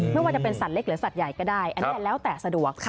ไม่ว่าจะเป็นสัตว์เล็กหรือสัตว์ใหญ่ก็ได้อันนี้แล้วแต่สะดวก